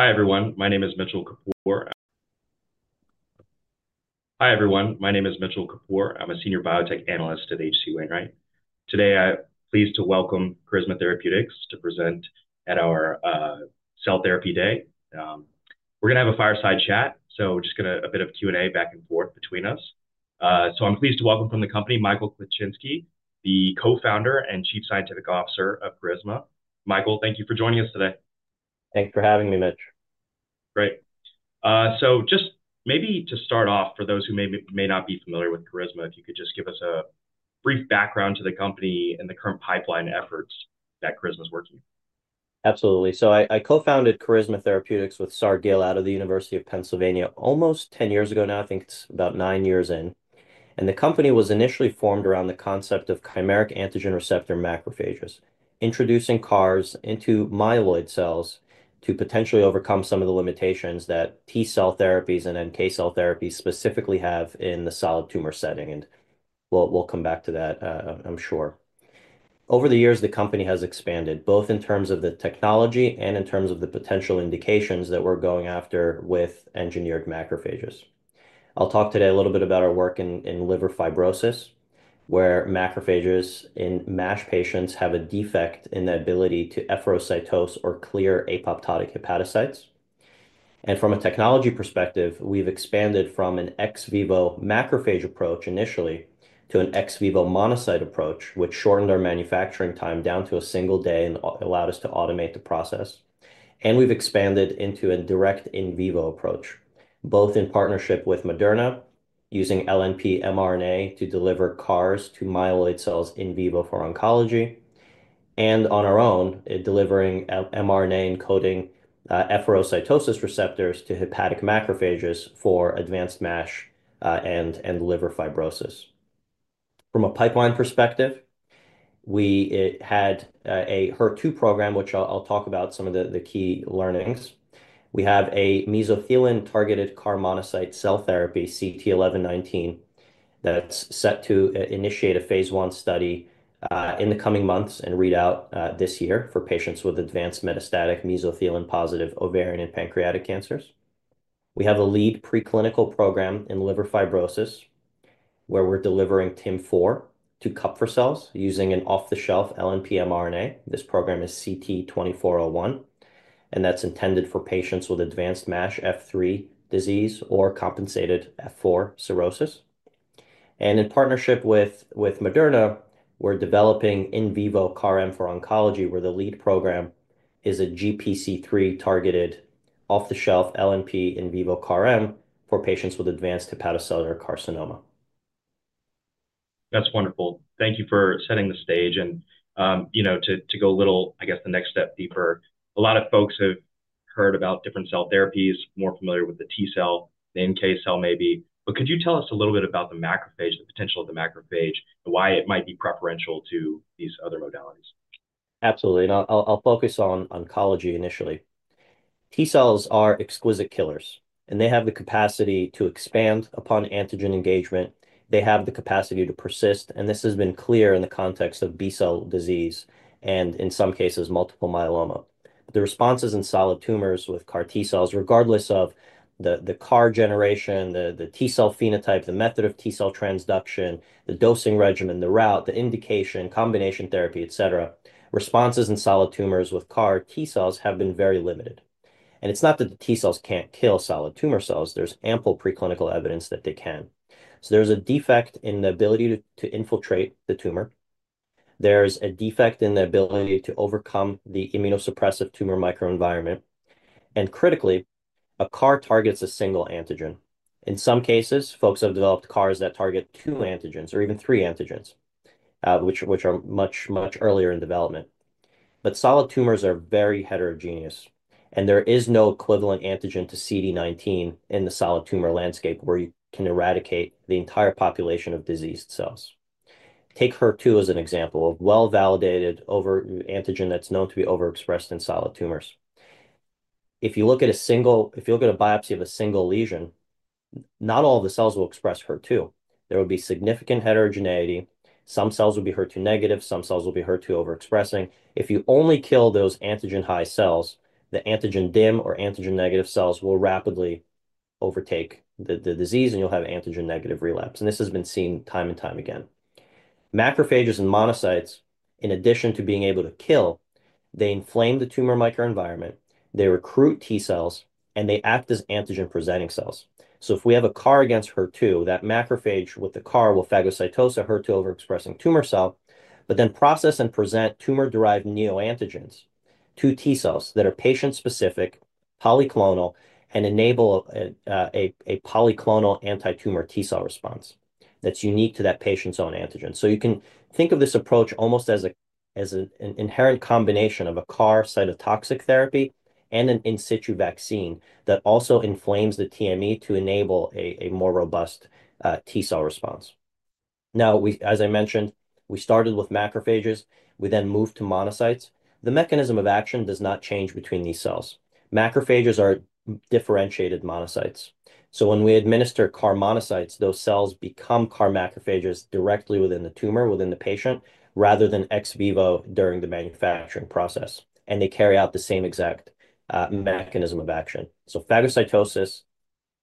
Hi everyone, my name is Mitchell Kapoor, and I’m a senior biotech analyst at H.C. Wainwright. Today, I’m pleased to welcome Carisma Therapeutics to present at our Cell Therapy Day. We’re going to have a fireside chat, a bit of Q&A back and forth. I’m pleased to welcome from the company Michael Klichinsky, the co-founder and Chief Scientific Officer of Carisma. Michael, thank you for joining us today. Thanks for having me, Mitchell. Great. Just maybe to start off, for those who may not be familiar with Carisma, if you could just give us a brief background to the company and the current pipeline efforts that Carisma is working on. Absolutely. I co-founded Carisma Therapeutics with Saar Gill out of the University of Pennsylvania almost ten years ago now. I think it's about nine years in. The company was initially formed around the concept of chimeric antigen receptor macrophages, introducing CARs into myeloid cells to potentially overcome some of the limitations that T cell therapies and then NK cell therapies specifically have in the solid tumor setting. We'll come back to that, I'm sure. Over the years, the company has expanded both in terms of the technology and in terms of the potential indications that we're going after with engineered macrophages. I'll talk today a little bit about our work in liver fibrosis, where macrophages in MASH patients have a defect in the ability to efferocytose or clear apoptotic hepatocytes. From a technology perspective, we've expanded from an ex vivo macrophage approach initially to an ex vivo monocyte approach, which shortened our manufacturing time down to a single day and allowed us to automate the process. We've expanded into a direct in vivo approach, both in partnership with Moderna using LNP mRNA to deliver CARs to myeloid cells in vivo for oncology, and on our own, delivering mRNA encoding efferocytosis receptors to hepatic macrophages for advanced MASH and liver fibrosis. From a pipeline perspective, we had a HER2 program, which I'll talk about some of the key learnings. We have a mesothelin targeted CAR monocyte cell therapy, CT-1119, that's set to initiate a Phase 1 study in the coming months and read out this year for patients with advanced metastatic mesothelin positive ovarian and pancreatic cancers. We have a lead preclinical program in liver fibrosis where we're delivering TIM4 to Kupffer cells using an off-the-shelf LNP mRNA. This program is CT-2401, and that's intended for patients with advanced MASH F3 disease or compensated F4 cirrhosis. In partnership with Moderna, we're developing in vivo CAR-M for oncology, where the lead program is a GPC3-targeted off-the-shelf LNP in vivo CAR-M for patients with advanced hepatocellular carcinoma. That's wonderful. Thank you for setting the stage. To go a little, I guess, the next step deeper, a lot of folks have heard about different cell therapies, more familiar with the T cell, the NK cell maybe. Could you tell us a little bit about the macrophage, the potential of the macrophage, and why it might be preferential to these other modalities? Absolutely. I'll focus on oncology initially. T cells are exquisite killers, and they have the capacity to expand upon antigen engagement. They have the capacity to persist. This has been clear in the context of B cell disease and in some cases multiple myeloma. The responses in solid tumors with CAR T cells, regardless of the CAR generation, the T cell phenotype, the method of T cell transduction, the dosing regimen, the route, the indication, combination therapy, etc., responses in solid tumors with CAR T cells have been very limited. It's not that the T cells can't kill solid tumor cells. There's ample preclinical evidence that they can. There's a defect in the ability to infiltrate the tumor. There's a defect in the ability to overcome the immunosuppressive tumor microenvironment. Critically, a CAR targets a single antigen. In some cases, folks have developed CARs that target two antigens or even three antigens, which are much, much earlier in development. Solid tumors are very heterogeneous, and there is no equivalent antigen to CD19 in the solid tumor landscape where you can eradicate the entire population of diseased cells. Take HER2 as an example of a well-validated antigen that's known to be overexpressed in solid tumors. If you look at a single, if you look at a biopsy of a single lesion, not all of the cells will express HER2. There will be significant heterogeneity. Some cells will be HER2 negative. Some cells will be HER2 overexpressing. If you only kill those antigen high cells, the antigen dim or antigen negative cells will rapidly overtake the disease, and you'll have antigen negative relapse. This has been seen time and time again. Macrophages and monocytes, in addition to being able to kill, inflame the tumor microenvironment, recruit T cells, and act as antigen presenting cells. If we have a CAR against HER2, that macrophage with the CAR will phagocytose a HER2 overexpressing tumor cell, but then process and present tumor derived neoantigens to T cells that are patient specific, polyclonal, and enable a polyclonal anti-tumor T cell response that's unique to that patient's own antigen. You can think of this approach almost as an inherent combination of a CAR cytotoxic therapy and an in situ vaccine that also inflames the TME to enable a more robust T cell response. As I mentioned, we started with macrophages. We then moved to monocytes. The mechanism of action does not change between these cells. Macrophages are differentiated monocytes. When we administer CAR monocytes, those cells become CAR macrophages directly within the tumor, within the patient, rather than ex vivo during the manufacturing process. They carry out the same exact mechanism of action. Phagocytosis,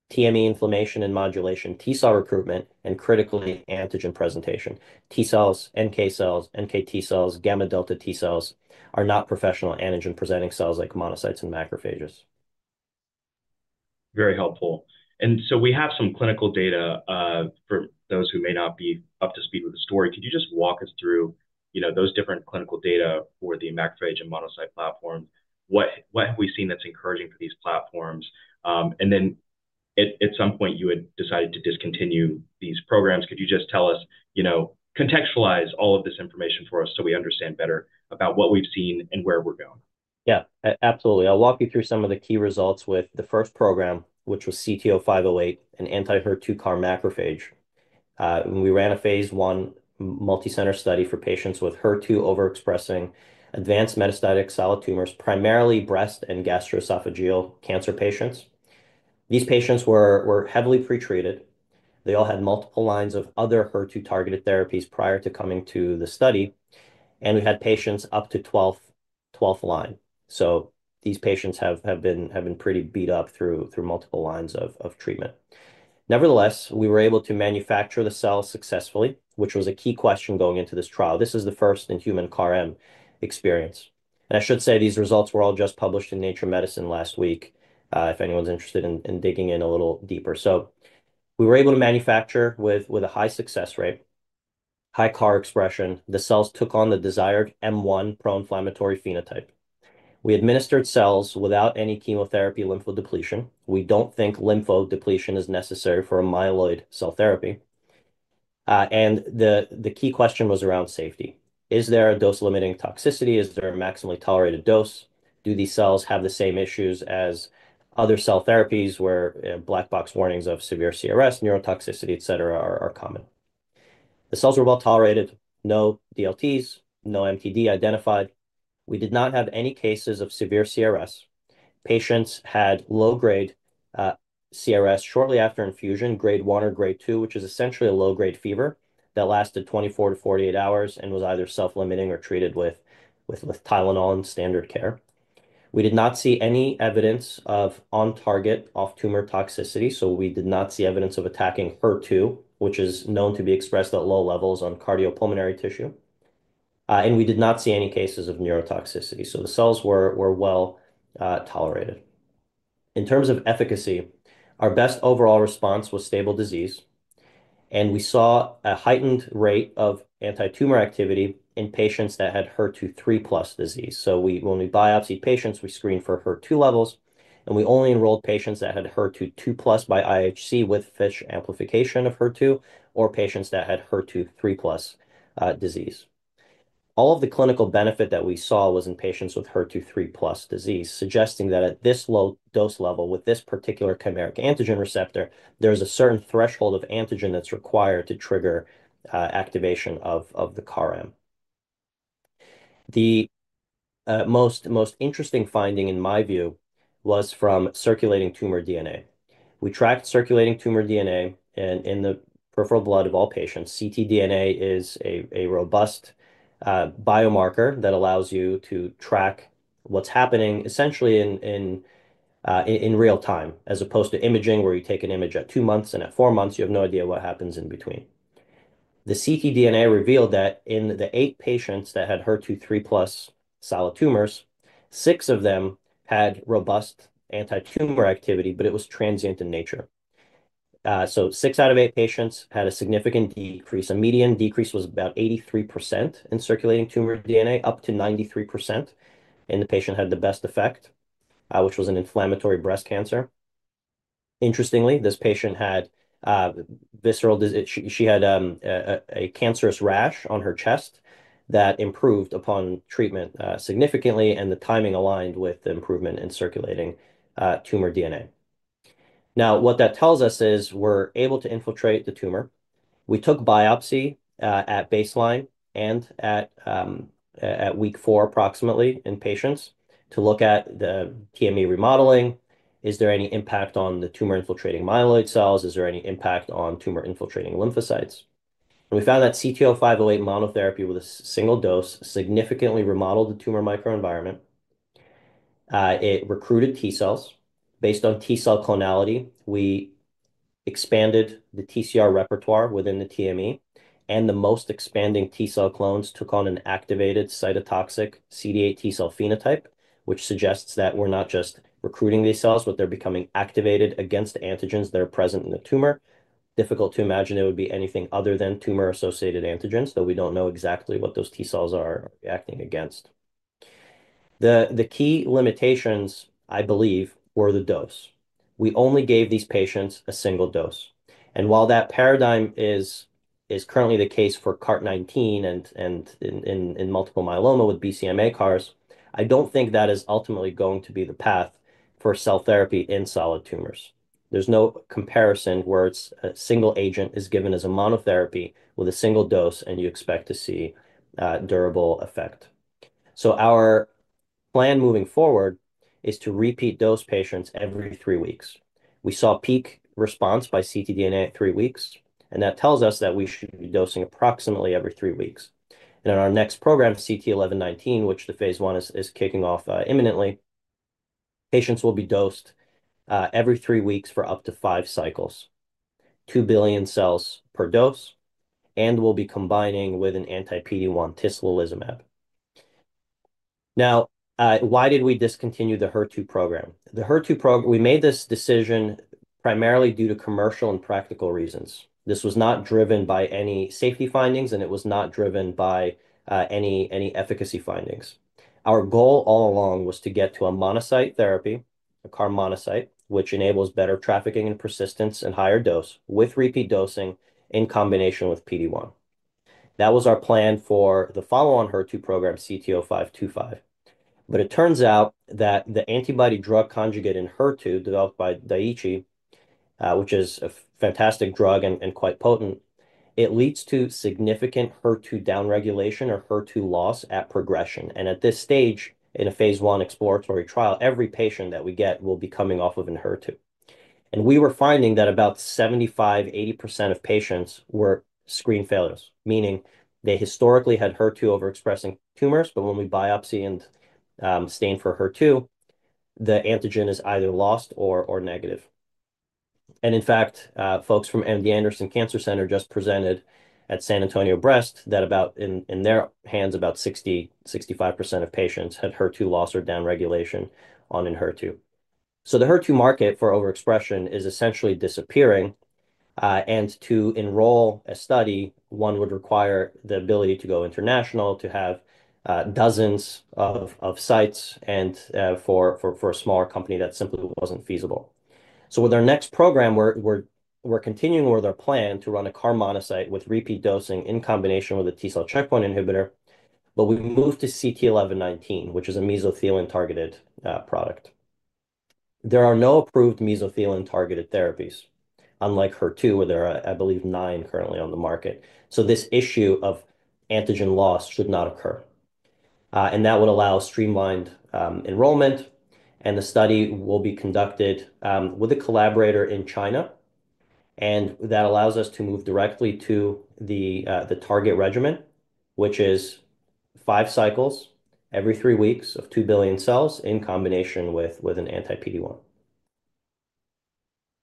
TME inflammation and modulation, T cell recruitment, and critically antigen presentation. T cells, NK cells, NKT cells, gamma delta T cells are not professional antigen presenting cells like monocytes and macrophages. Very helpful. We have some clinical data for those who may not be up to speed with the story. Could you just walk us through those different clinical data for the macrophage and monocyte platforms? What have we seen that's encouraging for these platforms? At some point, you had decided to discontinue these programs. Could you just tell us, contextualize all of this information for us so we understand better about what we've seen and where we're going? Yeah, absolutely. I'll walk you through some of the key results with the first program, which was CT-0508, an anti-HER2 CAR-macrophage. We ran a Phase 1 multicenter study for patients with HER2 overexpressing advanced metastatic solid tumors, primarily breast and gastroesophageal cancer patients. These patients were heavily pretreated. They all had multiple lines of other HER2 targeted therapies prior to coming to the study. We had patients up to 12th line. These patients have been pretty beat up through multiple lines of treatment. Nevertheless, we were able to manufacture the cells successfully, which was a key question going into this trial. This is the first in human CAR-M experience. I should say these results were all just published in Nature Medicine last week, if anyone's interested in digging in a little deeper. We were able to manufacture with a high success rate, high CAR expression. The cells took on the desired M1 pro-inflammatory phenotype. We administered cells without any chemotherapy lymphodepletion. We do not think lymphodepletion is necessary for a myeloid cell therapy. The key question was around safety. Is there a dose limiting toxicity? Is there a maximally tolerated dose? Do these cells have the same issues as other cell therapies where black box warnings of severe CRS, neurotoxicity, etc., are common? The cells were well tolerated. No DLTs, no MTD identified. We did not have any cases of severe CRS. Patients had low-grade CRS shortly after infusion, grade one or grade two, which is essentially a low-grade fever that lasted 24 to 48 hours and was either self-limiting or treated with Tylenol and standard care. We did not see any evidence of on-target, off-tumor toxicity. We did not see evidence of attacking HER2, which is known to be expressed at low levels on cardiopulmonary tissue. We did not see any cases of neurotoxicity. The cells were well tolerated. In terms of efficacy, our best overall response was stable disease. We saw a heightened rate of anti-tumor activity in patients that had HER2 3+ disease. When we biopsied patients, we screened for HER2 levels. We only enrolled patients that had HER2 2+ by IHC with FISH amplification of HER2 or patients that had HER2 3+ disease. All of the clinical benefit that we saw was in patients with HER2 3+ disease, suggesting that at this low dose level with this particular chimeric antigen receptor, there is a certain threshold of antigen that's required to trigger activation of the CAR-M. The most interesting finding, in my view, was from circulating tumor DNA. We tracked circulating tumor DNA in the peripheral blood of all patients. ctDNA is a robust biomarker that allows you to track what's happening essentially in real time, as opposed to imaging where you take an image at two months, and at four months, you have no idea what happens in between. The ctDNA revealed that in the eight patients that had HER2 3+ solid tumors, six of them had robust anti-tumor activity, but it was transient in nature. Six out of eight patients had a significant decrease. A median decrease was about 83% in circulating tumor DNA, up to 93%. The patient had the best effect, which was an inflammatory breast cancer. Interestingly, this patient had visceral, she had a cancerous rash on her chest that improved upon treatment significantly, and the timing aligned with the improvement in circulating tumor DNA. Now, what that tells us is we're able to infiltrate the tumor. We took biopsy at baseline and at week four approximately in patients to look at the TME remodeling. Is there any impact on the tumor infiltrating myeloid cells? Is there any impact on tumor infiltrating lymphocytes? We found that CT-0508 monotherapy with a single dose significantly remodeled the tumor microenvironment. It recruited T cells. Based on T cell clonality, we expanded the TCR repertoire within the TME, and the most expanding T cell clones took on an activated cytotoxic CD8 T cell phenotype, which suggests that we're not just recruiting these cells, but they're becoming activated against antigens that are present in the tumor. Difficult to imagine it would be anything other than tumor associated antigens, though we do not know exactly what those T cells are acting against. The key limitations, I believe, were the dose. We only gave these patients a single dose. While that paradigm is currently the case for CAR-19 and in multiple myeloma with BCMA CARs, I do not think that is ultimately going to be the path for cell therapy in solid tumors. There is no comparison where a single agent is given as a monotherapy with a single dose, and you expect to see durable effect. Our plan moving forward is to repeat dose patients every three weeks. We saw peak response by ctDNA at three weeks, and that tells us that we should be dosing approximately every three weeks. In our next program, CT-1119, which the Phase 1 is kicking off imminently, patients will be dosed every three weeks for up to five cycles, 2 billion cells per dose, and will be combining with an anti-PD-1, tislelizumab. Now, why did we discontinue the HER2 program? We made this decision primarily due to commercial and practical reasons. This was not driven by any safety findings, and it was not driven by any efficacy findings. Our goal all along was to get to a monocyte therapy, a CAR monocyte, which enables better trafficking and persistence and higher dose with repeat dosing in combination with PD-1. That was our plan for the follow-on HER2 program, CT-0525. It turns out that the antibody drug conjugate in HER2 developed by Daiichi, which is a fantastic drug and quite potent, leads to significant HER2 downregulation or HER2 loss at progression. At this stage, in a Phase 1 exploratory trial, every patient that we get will be coming off of an HER2. We were finding that about 75%-80% of patients were screen failures, meaning they historically had HER2 overexpressing tumors. When we biopsy and stain for HER2, the antigen is either lost or negative. In fact, folks from MD Anderson Cancer Center just presented at San Antonio Breast that in their hands, about 60%-65% of patients had HER2 loss or downregulation on an HER2. The HER2 market for overexpression is essentially disappearing. To enroll a study, one would require the ability to go international, to have dozens of sites, and for a smaller company, that simply was not feasible. With our next program, we're continuing with our plan to run a CAR monocyte with repeat dosing in combination with a T cell checkpoint inhibitor. We moved to CT-1119, which is a mesothelin targeted product. There are no approved mesothelin targeted therapies, unlike HER2, where there are, I believe, nine currently on the market. This issue of antigen loss should not occur. That would allow streamlined enrollment. The study will be conducted with a collaborator in China. That allows us to move directly to the target regimen, which is five cycles every three weeks of 2 billion cells in combination with an anti-PD-1.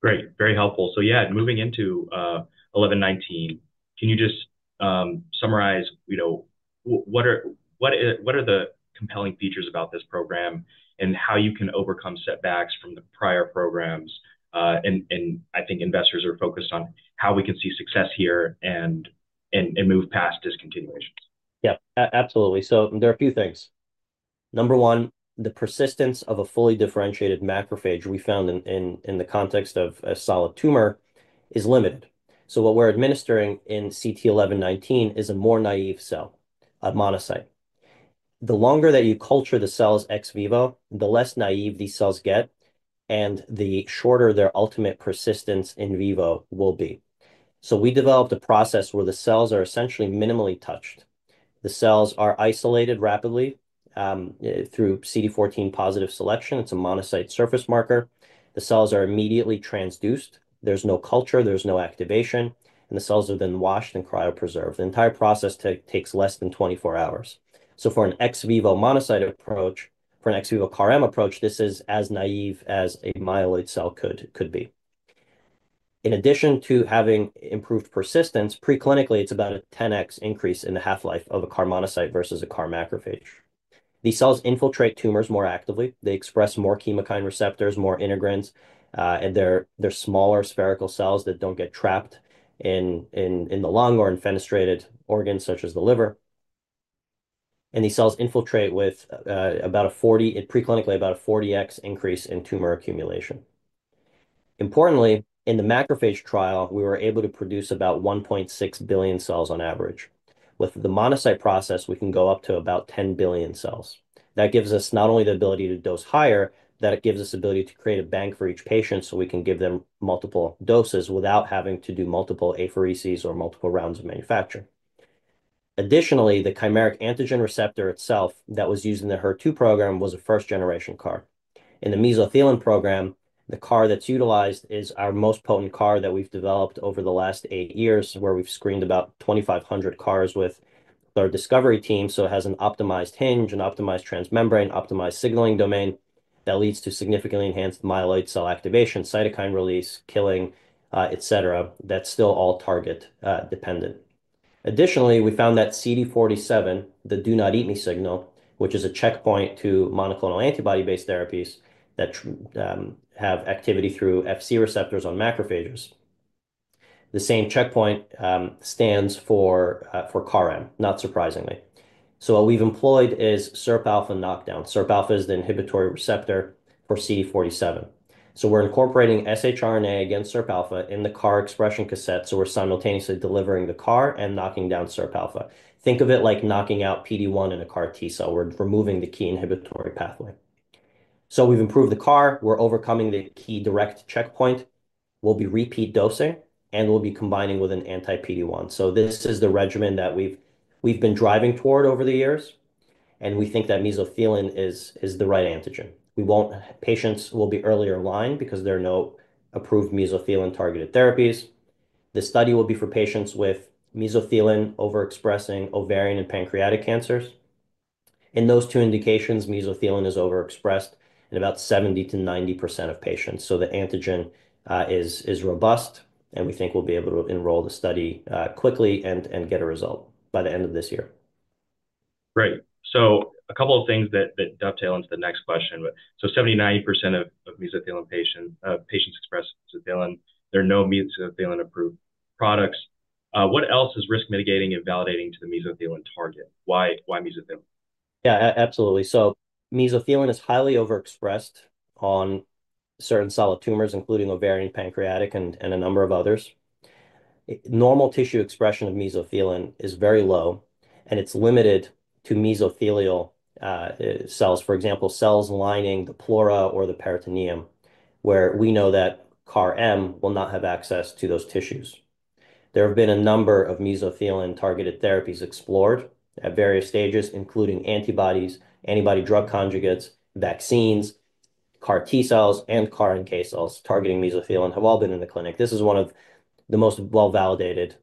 Great. Very helpful. Yeah, moving into 1119, can you just summarize what are the compelling features about this program and how you can overcome setbacks from the prior programs? I think investors are focused on how we can see success here and move past discontinuations. Yeah, absolutely. There are a few things. Number one, the persistence of a fully differentiated macrophage we found in the context of a solid tumor is limited. What we're administering in CT-1119 is a more naive cell, a monocyte. The longer that you culture the cells ex vivo, the less naive these cells get, and the shorter their ultimate persistence in vivo will be. We developed a process where the cells are essentially minimally touched. The cells are isolated rapidly through CD14 positive selection. It's a monocyte surface marker. The cells are immediately transduced. There's no culture, there's no activation, and the cells are then washed and cryopreserved. The entire process takes less than 24 hours. For an ex vivo monocyte approach, for an ex vivo CAR-M approach, this is as naive as a myeloid cell could be. In addition to having improved persistence, preclinically, it's about a 10x increase in the half-life of a CAR monocyte versus a CAR macrophage. These cells infiltrate tumors more actively. They express more chemokine receptors, more integrins. They're smaller spherical cells that don't get trapped in the lung or in fenestrated organs such as the liver. These cells infiltrate with about a 40x increase in tumor accumulation preclinically. Importantly, in the macrophage trial, we were able to produce about 1.6 billion cells on average. With the monocyte process, we can go up to about 10 billion cells. That gives us not only the ability to dose higher, it gives us the ability to create a bank for each patient so we can give them multiple doses without having to do multiple aphereses or multiple rounds of manufacturing. Additionally, the chimeric antigen receptor itself that was used in the HER2 program was a first-generation CAR. In the mesothelin program, the CAR that's utilized is our most potent CAR that we've developed over the last eight years, where we've screened about 2,500 CARs with our discovery team. It has an optimized hinge, an optimized transmembrane, optimized signaling domain that leads to significantly enhanced myeloid cell activation, cytokine release, killing, etc., that's still all target dependent. Additionally, we found that CD47, the do-not-eat-me signal, which is a checkpoint to monoclonal antibody-based therapies that have activity through Fc receptors on macrophages. The same checkpoint stands for CAR-M, not surprisingly. What we've employed is SIRPα knockdown. SIRPα is the inhibitory receptor for CD47. We're incorporating shRNA against SIRPα in the CAR expression cassette. We're simultaneously delivering the CAR and knocking down SIRPα. Think of it like knocking out PD-1 in a CAR T cell. We're removing the key inhibitory pathway. We've improved the CAR. We're overcoming the key direct checkpoint. We'll be repeat dosing, and we'll be combining with an anti-PD-1. This is the regimen that we've been driving toward over the years. We think that mesothelin is the right antigen. Patients will be earlier in line because there are no approved mesothelin targeted therapies. The study will be for patients with mesothelin overexpressing ovarian and pancreatic cancers. In those two indications, mesothelin is overexpressed in about 70%-90% of patients. The antigen is robust, and we think we'll be able to enroll the study quickly and get a result by the end of this year. Great. A couple of things that dovetail into the next question. 70%-90% of mesothelin patients express mesothelin. There are no mesothelin approved products. What else is risk mitigating and validating to the mesothelin target? Why mesothelin? Yeah, absolutely. Mesothelin is highly overexpressed on certain solid tumors, including ovarian, pancreatic, and a number of others. Normal tissue expression of mesothelin is very low, and it is limited to mesothelial cells, for example, cells lining the pleura or the peritoneum, where we know that CAR-M will not have access to those tissues. There have been a number of mesothelin targeted therapies explored at various stages, including antibodies, antibody drug conjugates, vaccines, CAR T cells, and CAR NK cells targeting mesothelin have all been in the clinic. This is one of the most well-validated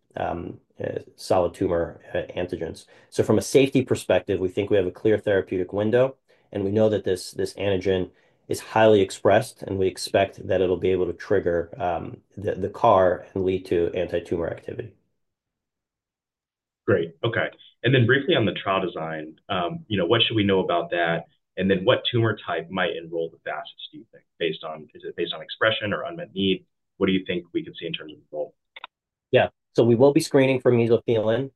solid tumor antigens. From a safety perspective, we think we have a clear therapeutic window, and we know that this antigen is highly expressed, and we expect that it will be able to trigger the CAR and lead to anti-tumor activity. Great. Okay. Briefly on the trial design, what should we know about that? What tumor type might enroll the fastest, do you think, based on is it based on expression or unmet need? What do you think we could see in terms of enrollment? Yeah. We will be screening for mesothelin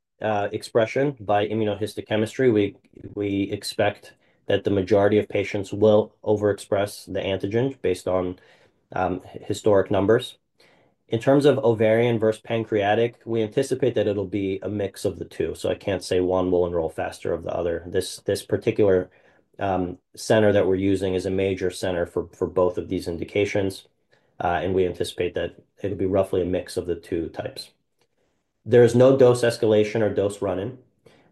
expression by immunohistochemistry. We expect that the majority of patients will overexpress the antigen based on historic numbers. In terms of ovarian versus pancreatic, we anticipate that it'll be a mix of the two. I can't say one will enroll faster of the other. This particular center that we're using is a major center for both of these indications. We anticipate that it'll be roughly a mix of the two types. There is no dose escalation or dose run-in.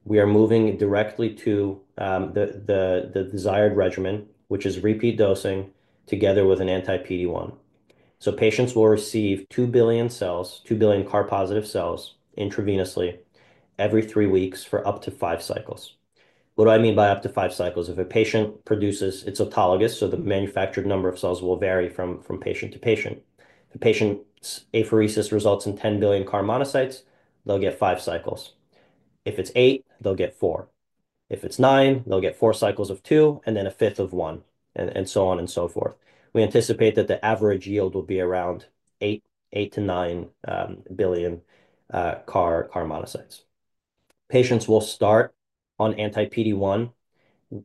We are moving directly to the desired regimen, which is repeat dosing together with an anti-PD-1. Patients will receive 2 billion cells, 2 billion CAR positive cells intravenously every three weeks for up to five cycles. What do I mean by up to five cycles? If a patient produces its autologous, so the manufactured number of cells will vary from patient to patient. If a patient's apheresis results in 10 billion CAR monocytes, they'll get five cycles. If it's eight, they'll get four. If it's nine, they'll get four cycles of two, and then a fifth of one, and so on and so forth. We anticipate that the average yield will be around 8-9 billion CAR monocytes. Patients will start on anti-PD-1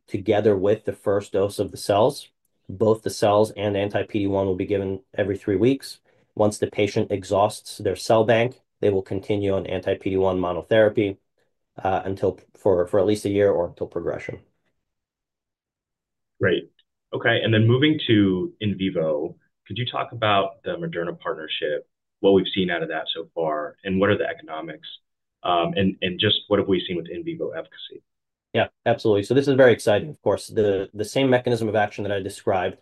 together with the first dose of the cells. Both the cells and anti-PD-1 will be given every three weeks. Once the patient exhausts their cell bank, they will continue on anti-PD-1 monotherapy for at least a year or until progression. Great. Okay. Moving to in vivo, could you talk about the Moderna partnership, what we've seen out of that so far, what are the economics, and just what have we seen with in vivo efficacy? Yeah, absolutely. This is very exciting, of course. The same mechanism of action that I described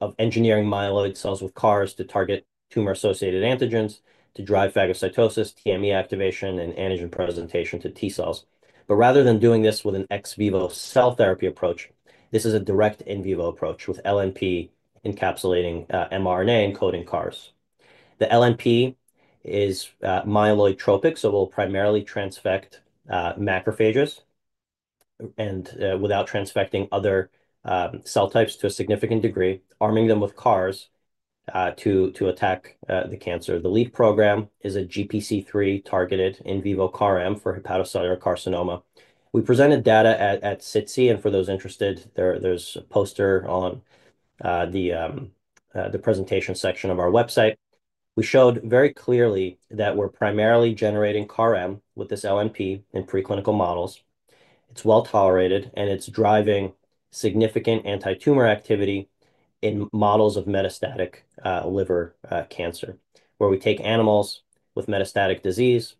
of engineering myeloid cells with CARs to target tumor-associated antigens to drive phagocytosis, TME activation, and antigen presentation to T cells. Rather than doing this with an ex vivo cell therapy approach, this is a direct in vivo approach with LNP encapsulating mRNA encoding CARs. The LNP is myeloid tropic, so it will primarily transfect macrophages without transfecting other cell types to a significant degree, arming them with CARs to attack the cancer. The lead program is a GPC3 targeted in vivo CAR-M for hepatocellular carcinoma. We presented data at SITC, and for those interested, there is a poster on the presentation section of our website. We showed very clearly that we are primarily generating CAR-M with this LNP in preclinical models. It's well tolerated, and it's driving significant anti-tumor activity in models of metastatic liver cancer, where we take animals with metastatic disease.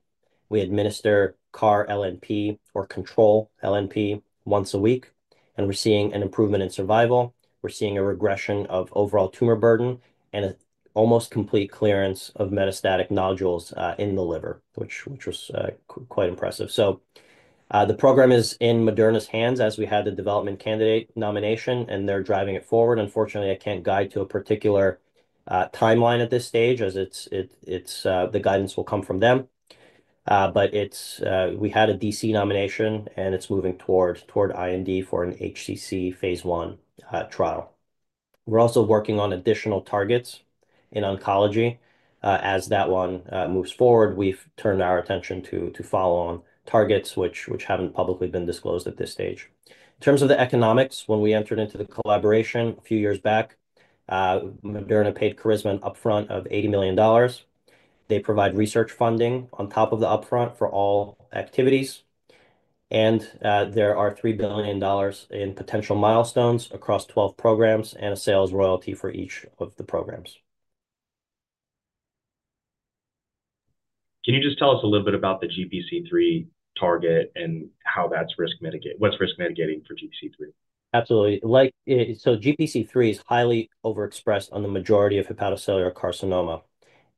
We administer CAR-LNP or control LNP once a week, and we're seeing an improvement in survival. We're seeing a regression of overall tumor burden and an almost complete clearance of metastatic nodules in the liver, which was quite impressive. The program is in Moderna's hands as we had the development candidate nomination, and they're driving it forward. Unfortunately, I can't guide to a particular timeline at this stage as the guidance will come from them. We had a DC nomination, and it's moving toward IND for an HCC Phase 1 trial. We're also working on additional targets in oncology. As that one moves forward, we've turned our attention to follow-on targets which haven't publicly been disclosed at this stage. In terms of the economics, when we entered into the collaboration a few years back, Moderna paid Carisma an upfront of $80 million. They provide research funding on top of the upfront for all activities. There are $3 billion in potential milestones across 12 programs and a sales royalty for each of the programs. Can you just tell us a little bit about the GPC3 target and how that's risk mitigating? What's risk mitigating for GPC3? Absolutely. GPC3 is highly overexpressed on the majority of hepatocellular carcinoma.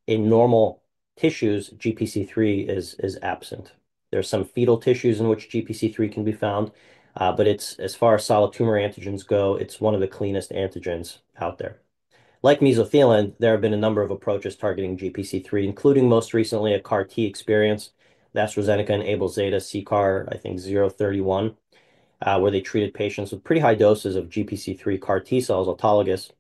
In normal tissues, GPC3 is absent. There are some fetal tissues in which GPC3 can be found. As far as solid tumor antigens go, it is one of the cleanest antigens out there. Like mesothelin, there have been a number of approaches targeting GPC3, including most recently a CAR-T experience. That is AstraZeneca and AbelZeta C-CAR031, I think, where they treated patients with pretty high doses of GPC3 CAR T cells autologous.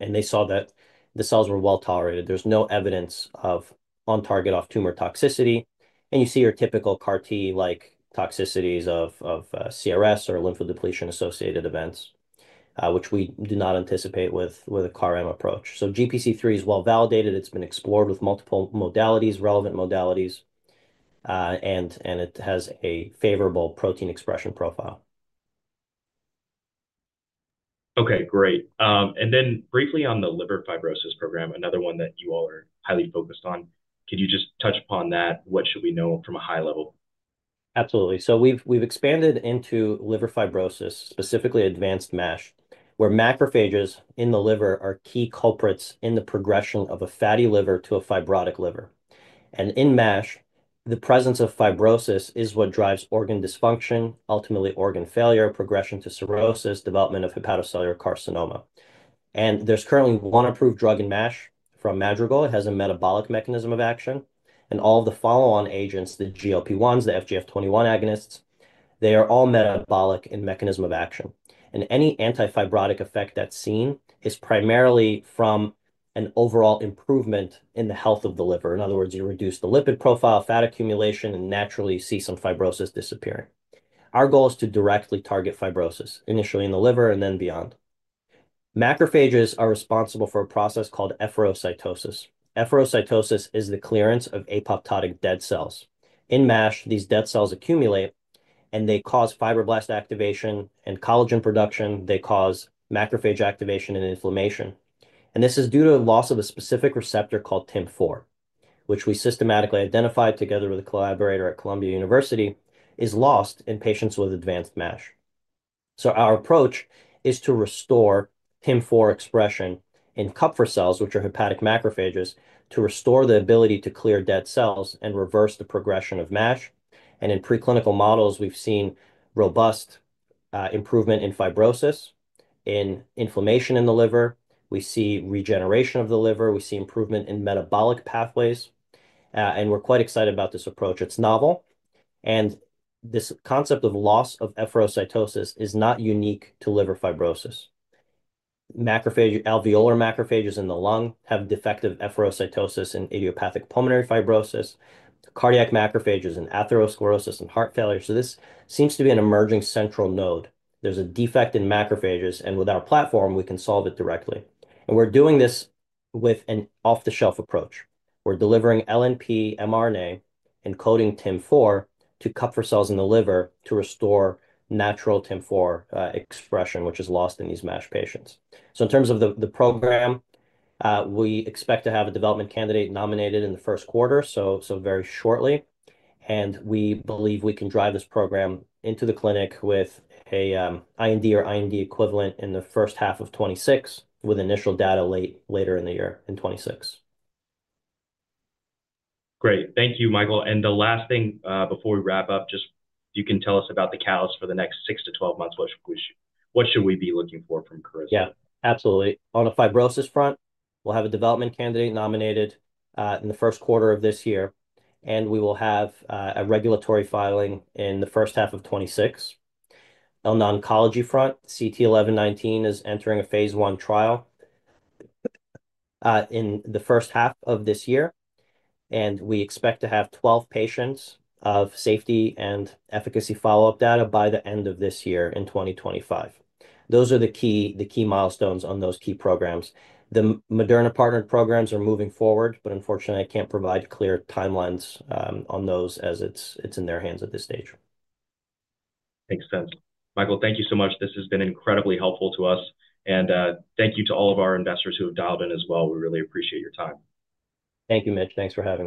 They saw that the cells were well tolerated. There is no evidence of on-target off-tumor toxicity. You see your typical CAR-T-like toxicities of CRS or lymphodepletion-associated events, which we do not anticipate with a CAR-M approach. GPC3 is well validated. It has been explored with multiple modalities, relevant modalities, and it has a favorable protein expression profile. Okay, great. Briefly on the liver fibrosis program, another one that you all are highly focused on. Could you just touch upon that? What should we know from a high level? Absolutely. We have expanded into liver fibrosis, specifically advanced MASH, where macrophages in the liver are key culprits in the progression of a fatty liver to a fibrotic liver. In MASH, the presence of fibrosis is what drives organ dysfunction, ultimately organ failure, progression to cirrhosis, development of hepatocellular carcinoma. There is currently one approved drug in MASH from Madrigal. It has a metabolic mechanism of action. All of the follow-on agents, the GLP-1s, the FGF21 agonists, they are all metabolic in mechanism of action. Any anti-fibrotic effect that is seen is primarily from an overall improvement in the health of the liver. In other words, you reduce the lipid profile, fat accumulation, and naturally see some fibrosis disappearing. Our goal is to directly target fibrosis, initially in the liver and then beyond. Macrophages are responsible for a process called efferocytosis. Efferocytosis is the clearance of apoptotic dead cells. In MASH, these dead cells accumulate, and they cause fibroblast activation and collagen production. They cause macrophage activation and inflammation. This is due to the loss of a specific receptor called TIM4, which we systematically identified together with a collaborator at Columbia University, is lost in patients with advanced MASH. Our approach is to restore TIM4 expression in Kupffer cells, which are hepatic macrophages, to restore the ability to clear dead cells and reverse the progression of MASH. In preclinical models, we've seen robust improvement in fibrosis, in inflammation in the liver. We see regeneration of the liver. We see improvement in metabolic pathways. We're quite excited about this approach. It's novel. This concept of loss of efferocytosis is not unique to liver fibrosis. Alveolar macrophages in the lung have defective efferocytosis and idiopathic pulmonary fibrosis. Cardiac macrophages and atherosclerosis and heart failure. This seems to be an emerging central node. There's a defect in macrophages, and with our platform, we can solve it directly. We're doing this with an off-the-shelf approach. We're delivering LNP mRNA encoding TIM4 to Kupffer cells in the liver to restore natural TIM4 expression, which is lost in these MASH patients. In terms of the program, we expect to have a development candidate nominated in the first quarter, so very shortly. We believe we can drive this program into the clinic with an IND or IND equivalent in the first half of 2026, with initial data later in the year in 2026. Great. Thank you, Michael. The last thing before we wrap up, just you can tell us about the catalyst for the next 6 to 12 months. What should we be looking for from Carisma? Yeah, absolutely. On the fibrosis front, we'll have a development candidate nominated in the first quarter of this year. We will have a regulatory filing in the first half of 2026. On the oncology front, CT-1119 is entering a Phase 1 trial in the first half of this year. We expect to have 12 patients of safety and efficacy follow-up data by the end of this year in 2025. Those are the key milestones on those key programs. The Moderna partnered programs are moving forward, but unfortunately, I can't provide clear timelines on those as it's in their hands at this stage. Makes sense. Michael, thank you so much. This has been incredibly helpful to us. Thank you to all of our investors who have dialed in as well. We really appreciate your time. Thank you, Mitch. Thanks for having me.